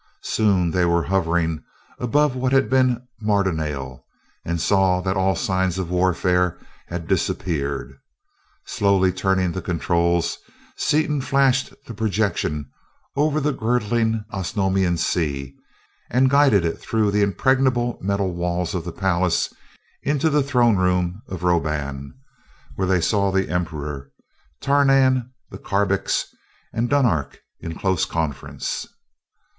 Soon they were hovering above what had been Mardonal, and saw that all signs of warfare had disappeared. Slowly turning the controls, Seaton flashed the projection over the girdling Osnomian sea and guided it through the impregnable metal walls of the palace into the throne room of Roban, where they saw the Emperor, Tarnan the Karbix, and Dunark in close conference.